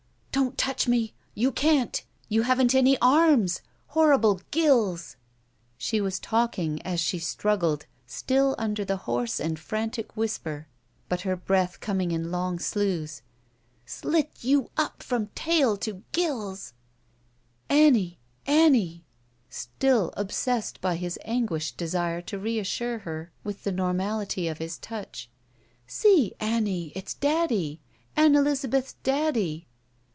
" Don't touch me ! You can't! You haven't any arms! Horrible gills!" She was talking as she struggled, still under the hoarse and frantic whisper, but her breath coming in long soughs. *' Slit you up from tail. Slit — ^you — up — ^from — ^tail — ^to — gills. '' "Annie! Annie!" still obsessed by his anguished desire to reassttre her with the nonnality of his touch. "See, Annie, it's daddy. Ann Elizabeth's daddy."